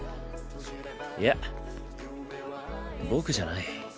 いや僕じゃない。